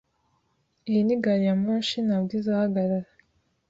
Iyi ni gari ya moshi. Ntabwo izahagarara. )